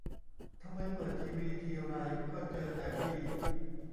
ทำไมเปิดทีวีทีไรก็เจอแต่บี้